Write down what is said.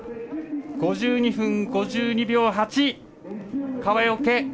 ５２分５２秒８。